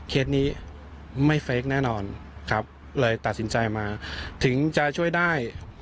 นี้ไม่เฟคแน่นอนครับเลยตัดสินใจมาถึงจะช่วยได้